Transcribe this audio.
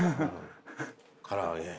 から揚げ。